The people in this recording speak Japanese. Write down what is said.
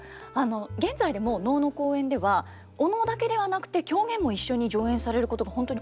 現在でも能の公演ではお能だけではなくて狂言も一緒に上演されることが本当に多いんですよ。